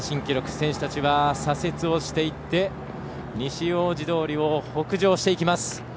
選手たちは左折をしていって西大路通を北上していきます。